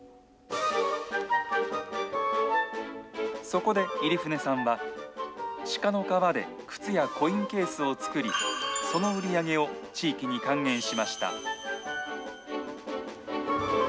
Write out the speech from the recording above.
そこで入舩さんは、シカの皮で靴やコインケースを作り、その売り上げを地域に還元しました。